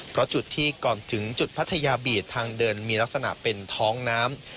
เพราะจุดที่ก่อนถึงจุดพัทยาบีดทางเดินมีลักษณะเป็นท้องน้ำ